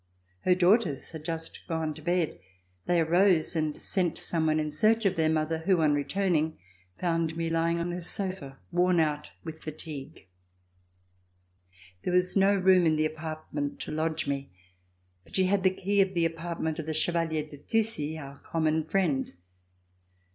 Her daughters had just gone to bed. They arose and sent some one in search of their mother who on returning found me lying on her sofa worn out with fatigue. There was C 370 ] AN AUDIENCE WITH NAPOLEON no room in the apartment to lodge me, but she had the key of the apartment of the Chevalier de Thuisy, our common friend.